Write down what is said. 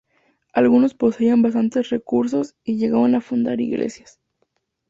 Algunos poseían bastantes recursos y llegaron a fundar iglesias.